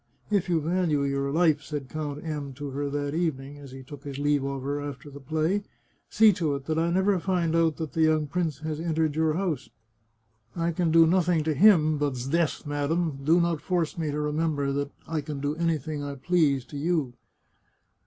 " If you value your life," said Count M to her that evening, as he took leave of her after the play, " see to it that I never find out that the young prince has entered your house. I can do nothing to him, but s'death, madam, do not force me to remember that I can do anything I please to you